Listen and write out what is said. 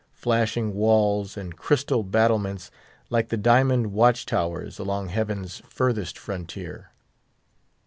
Flashing walls and crystal battlements, like the diamond watch towers along heaven's furthest frontier.